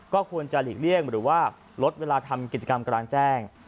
ก็ควรจะหลีกเลี่ยงหรือว่าลดเวลาทำกิจกรรมกลางแจ้ง